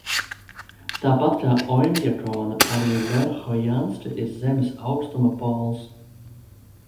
Tāpat kā Oimjakona, arī Verhojanska ir Zemes aukstuma pols.